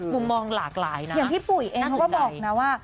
มุมมองหลากหลายนะอย่างพี่ปุ๋ยเองเขาก็บอกนะว่า